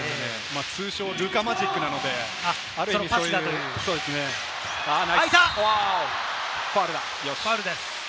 通称・ルカマジックなファウルです。